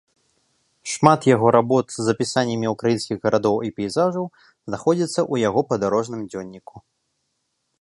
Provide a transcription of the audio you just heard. Шмат яго работ з апісаннямі ўкраінскіх гарадоў і пейзажаў знаходзяцца ў яго падарожным дзённіку.